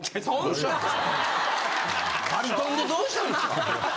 バリトンでどうしたんですか？